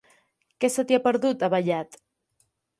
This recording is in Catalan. Què se t'hi ha perdut, a Vallat?